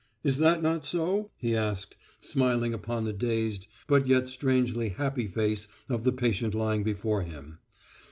Is that not so?" he asked, smiling upon the dazed but yet strangely happy face of the patient lying before him.